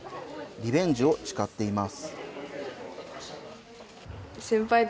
リベンジを誓っています。